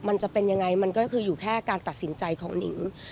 มันจะเป็นยังไงมันก็คืออยู่แค่การตัดสินใจของหนิง